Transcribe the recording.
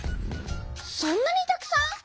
そんなにたくさん！